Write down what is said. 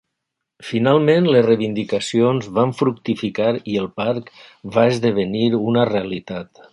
Finalment les reivindicacions van fructificar i el parc va esdevenir una realitat.